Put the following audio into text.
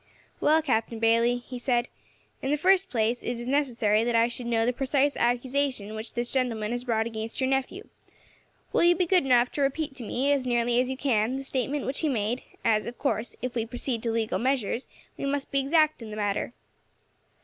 "Well, Captain Bayley," he said, "in the first place it is necessary that I should know the precise accusation which this gentleman has brought against your nephew. Will you be good enough to repeat to me, as nearly as you can, the statement which he made, as, of course, if we proceed to legal measures, we must be exact in the matter?"